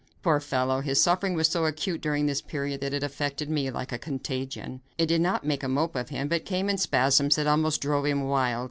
Poor fellow, his suffering was so acute during this period that it affected me like a contagion. It did not make a mope of him, but came in spasms that almost drove him wild.